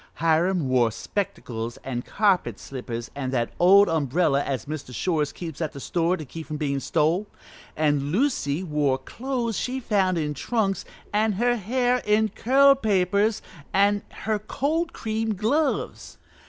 Hiram wore spectacles an' carpet slippers an' that old umbrella as Mr. Shores keeps at the store to keep from bein' stole, and Lucy wore clothes she'd found in trunks an' her hair in curl papers, an' her cold cream gloves.